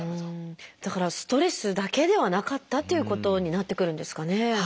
だからストレスだけではなかったっていうことになってくるんですかね。